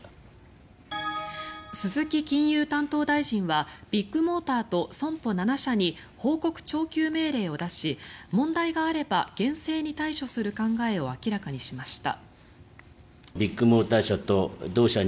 鈴木金融担当大臣はビッグモーターと損保７社に報告徴求命令を出し問題があれば厳正に対処する考えを明らかにしました。